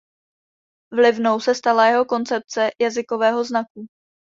Vlivnou se stala jeho koncepce jazykového znaku.